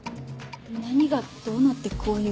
何がどうなってこういう？